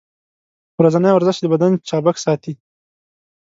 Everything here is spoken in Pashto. ورځنی ورزش د بدن چابک ساتي.